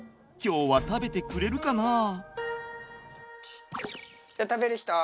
今日は食べてくれるかな？